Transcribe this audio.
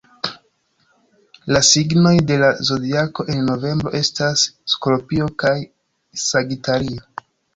La signoj de la Zodiako en novembro estas Skorpio kaj Sagitario.